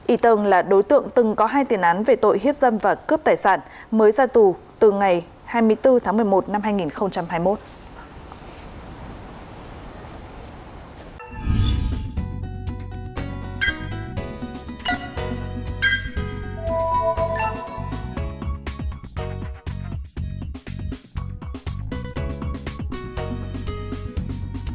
y tân là đối tượng từng có hai tiền án về tội hiếp dâm và cướp tài sản mới ra tù từ ngày hai mươi bốn tháng một mươi một năm hai nghìn hai mươi một